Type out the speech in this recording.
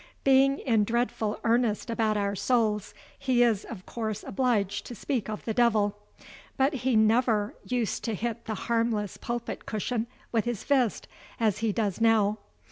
Being in dreadful earnest about our souls, he is of course obliged to speak of the devil; but he never used to hit the harmless pulpit cushion with his fist as he does now.